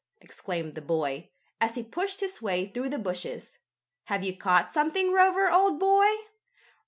exclaimed the boy, as he pushed his way through the bushes. "Have you caught something, Rover, old boy?"